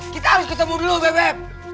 kita harus ketemu dulu bebek